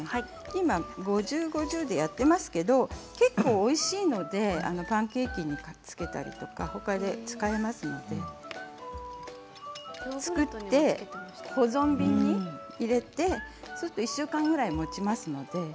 今、５０、５０でやっていますけれども結構おいしいのでパンケーキにつけたりとかほかで使えますので作って保存瓶に入れてそうすると１週間ぐらいもちますので。